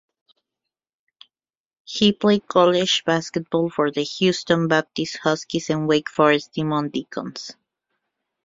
He played college basketball for the Houston Baptist Huskies and Wake Forest Demon Deacons.